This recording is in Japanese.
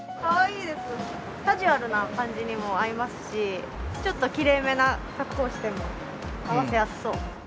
カジュアルな感じにも合いますしちょっときれいめな格好をしても合わせやすそう。